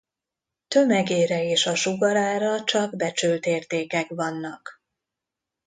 Tömegére és a sugarára csak becsült értékek vannak.